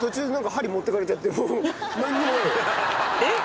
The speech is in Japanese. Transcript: えっ？